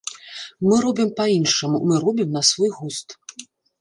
Мы робім па-іншаму, мы робім на свой густ.